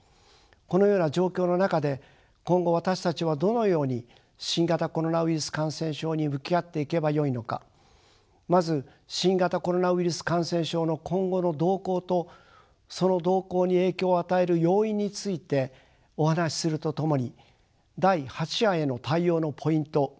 このような状況の中で今後私たちはどのように新型コロナウイルス感染症に向き合っていけばよいのかまず新型コロナウイルス感染症の今後の動向とその動向に影響を与える要因についてお話しするとともに第８波への対応のポイント